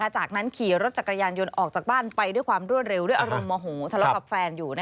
จากนั้นขี่รถจักรยานยนต์ออกจากบ้านไปด้วยความรวดเร็วด้วยอารมณ์โมโหทะเลาะกับแฟนอยู่